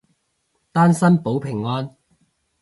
單身保平安